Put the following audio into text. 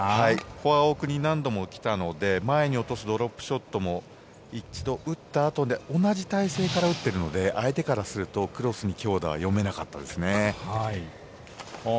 フォア奥に何度もきたので前に落とすドロップショットも一度打ったあとで同じ体勢から打ってるので相手からするとクロスの強打は読めなかったですね。